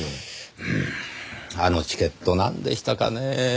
うーんあのチケットなんでしたかねぇ？